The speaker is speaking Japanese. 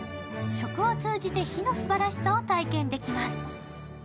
食を通じて火のすばらしさを体験できます。